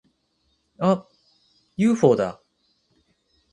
あっ！ユーフォーだ！